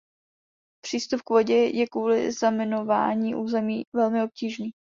Přístup k vodě je kvůli zaminování území velmi obtížný.